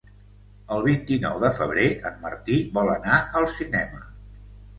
El vint-i-nou de febrer en Martí vol anar al cinema.